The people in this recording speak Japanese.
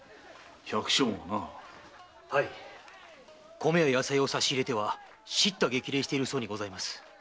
米や野菜を差し入れては叱咤激励しているそうです。